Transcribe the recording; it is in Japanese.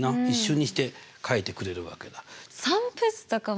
一瞬にして書いてくれるわけだ。